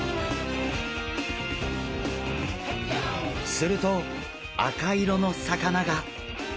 すると赤色の魚が！